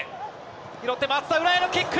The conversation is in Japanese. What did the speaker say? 拾って松田、裏へのキック。